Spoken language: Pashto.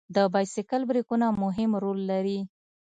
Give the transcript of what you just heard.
د بایسکل بریکونه مهم رول لري.